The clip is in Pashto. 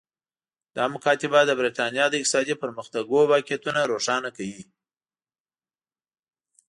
دا مکاتبه د برېټانیا د اقتصادي پرمختګونو واقعیتونه روښانه کوي